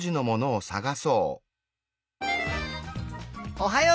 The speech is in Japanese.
おはよう！